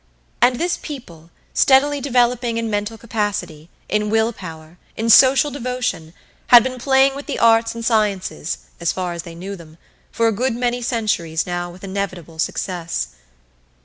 And this people, steadily developing in mental capacity, in will power, in social devotion, had been playing with the arts and sciences as far as they knew them for a good many centuries now with inevitable success.